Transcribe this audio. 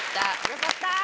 よかった。